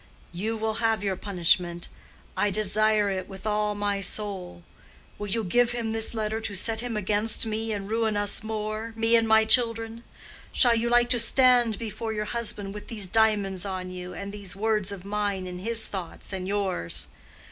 You will have your punishment. I desire it with all my soul. Will you give him this letter to set him against me and ruin us more—me and my children? Shall you like to stand before your husband with these diamonds on you, and these words of mine in his thoughts and yours?